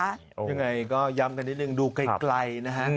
ยังไงก็ย้ำกันนิดนึงดูไกลนะฮะ